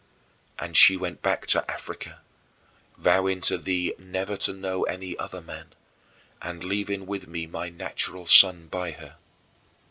And she went back to Africa, vowing to thee never to know any other man and leaving with me my natural son by her.